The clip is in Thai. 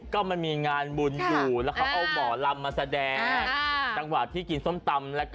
มันไม่มีอะไรค่ะตรงนั้นเออ